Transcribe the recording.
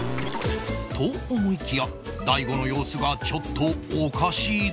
と思いきや大悟の様子がちょっとおかしいぞ